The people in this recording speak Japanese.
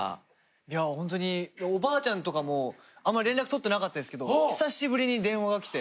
いやホントにおばあちゃんとかもあんま連絡取ってなかったんですけど久しぶりに電話がきて。